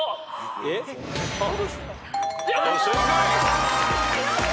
正解！